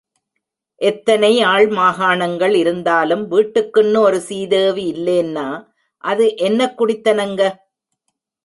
எத்தனை ஆள் மாகாணங்கள் இருந்தாலும் வீட்டுக்குன்னு ஒரு சீதேவி இல்லேன்னா அது என்னக் குடித்தனங்க?